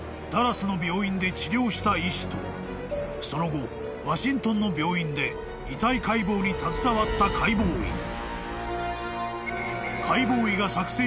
ダラスの病院で治療した医師とその後ワシントンの病院で遺体解剖に携わった解剖医］